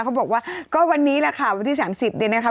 เขาบอกว่าก็วันนี้แหละค่ะวันที่๓๐เนี่ยนะคะ